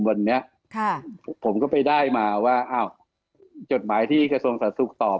วันนี้ผมก็ไปได้มาว่าอ้าวจดหมายที่กระทรวงสาธารสุขตอบ